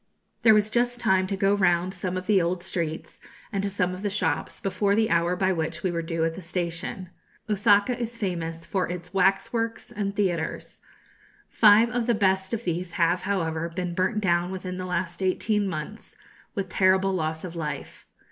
] There was just time to go round some of the old streets, and to some of the shops, before the hour by which we were due at the station. Osaka is famous for its waxworks and theatres. Five of the best of these have, however, been burnt down within the last eighteen months, with terrible loss of life.